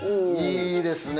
いいですね